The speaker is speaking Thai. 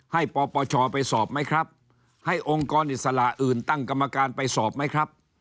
ปปชไปสอบไหมครับให้องค์กรอิสระอื่นตั้งกรรมการไปสอบไหมครับ